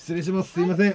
すいません！